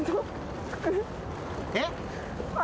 えっ？